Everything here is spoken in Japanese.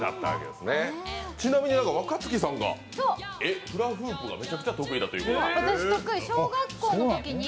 ちなみに、若槻さんがフラフープがめちゃくちゃ得意だということで。